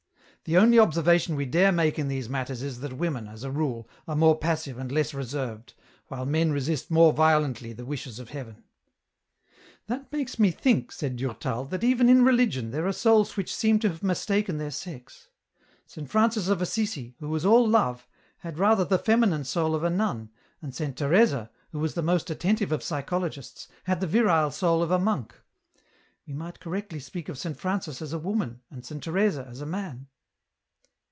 " The only observation we dare make in these matters is that women, as a rule, are more passive and less reserved, while men resist more violently the wishes of Heaven." " That makes me think," said Durtal, " that even in religion there are souls which seem to have mistaken their sex. Saint Francis of Assisi, who was all love, had rather the feminine soul of a nun, and Saint Teresa, who was the most attentive of psychologists, had the virile soul of a monk. We might correctly speak of Saint Francis as a woman and Saint Teresa as a man."